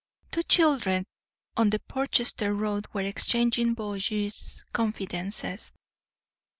Two children on the Portchester road were exchanging boyish confidences.